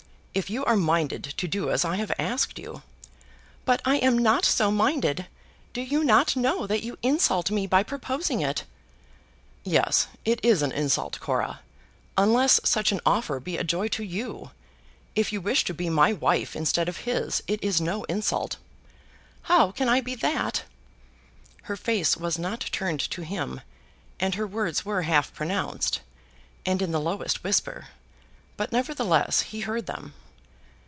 If you are minded to do as I have asked you " "But I am not so minded. Do you not know that you insult me by proposing it?" "Yes; it is an insult, Cora, unless such an offer be a joy to you. If you wish to be my wife instead of his, it is no insult." "How can I be that?" Her face was not turned to him, and her words were half pronounced, and in the lowest whisper, but, nevertheless, he heard them.